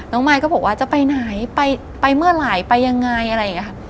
มายก็บอกว่าจะไปไหนไปเมื่อไหร่ไปยังไงอะไรอย่างนี้ค่ะ